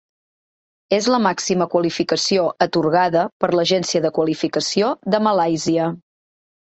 És la màxima qualificació atorgada per l'Agència de Qualificació de Malàisia.